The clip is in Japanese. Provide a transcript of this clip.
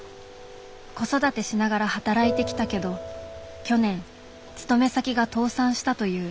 子育てしながら働いてきたけど去年勤め先が倒産したという。